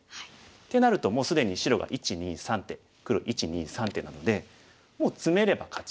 ってなるともう既に白が１２３手黒１２３手なのでもうツメれば勝ち。